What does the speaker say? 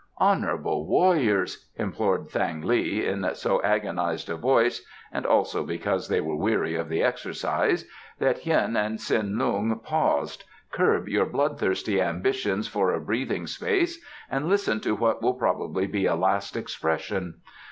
"Honourable warriors!" implored Thang li in so agonized a voice and also because they were weary of the exercise that Hien and Tsin Lung paused, "curb your bloodthirsty ambitions for a breathing space and listen to what will probably be a Last Expression.